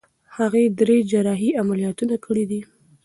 هغې درې جراحي عملیاتونه کړي دي.